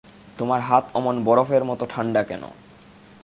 তোমার হাত অমন বরফের মতো ঠাণ্ডা কেন?